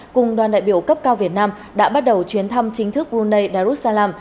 cùng đoàn đại biểu cấp cao việt nam đã bắt đầu chuyến thăm chính thức brunei darussalam